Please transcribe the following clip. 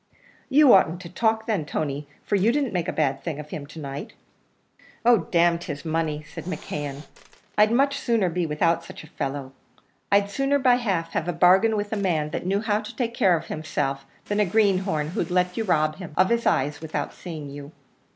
"You oughtn't to talk then, Tony, for you didn't make a bad thing of him to night." "Oh, d n his money," said McKeon; "I'd much sooner be without such a fellow. I'd sooner by half have a bargain with a man that knew how to take care of himself, than a greenhorn, who'd let you rob him of his eyes without seeing you."